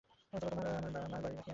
চলো তোমাকে তোমার মার বাড়ি রাখিয়া আসি।